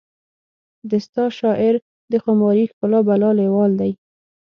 د ستا شاعر د خماري ښکلا بلا لیوال دی